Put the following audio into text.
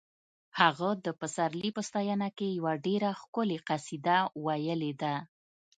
هغه د پسرلي په ستاینه کې یوه ډېره ښکلې قصیده ویلې ده